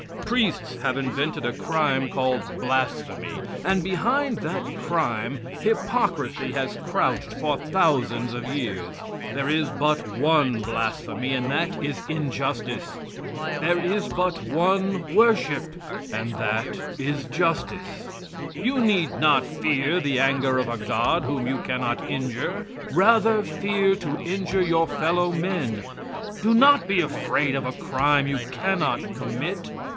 Priests have invented a crime called "blasphemy," and behind that crime hypocrisy has crouched for thousands of years. There is but one blasphemy, and that is injustice. There is but one worship, and that is justice. You need not fear the anger of a God whom you cannot injure. Rather fear to injure your fellow men. Do not be afraid of a crime you cannot commit.